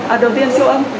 à đầu tiên siêu âm